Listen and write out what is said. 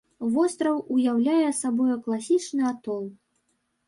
Востраў уяўляе сабою класічны атол.